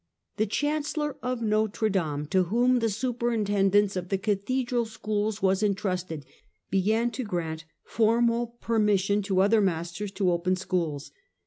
The Chan cellor of Notre Dame, to whom the superintendence of the Cathedral schools was entrusted, began to grant formal permission to other masters to open schools.